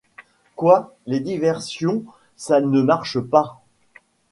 Quoi, les diversions ça ne marche pas…